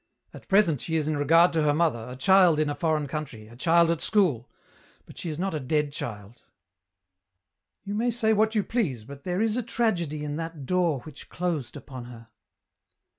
At present she is in regard to her mother, a child in a foreign country, a child at school, but she is not a dead child. EN ROUTE, 111 " You may say what you please, but there is a tragedy in that door which closed upon her."